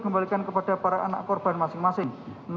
kembalikan kepada para anak korban masing masing